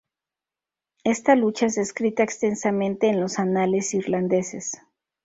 Esta lucha es descrita extensamente en los anales irlandeses.